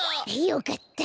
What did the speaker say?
よかった。